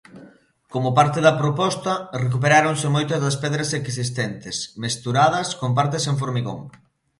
Como parte da proposta recuperáronse moitas das pedras existentes, mesturadas con partes en formigón.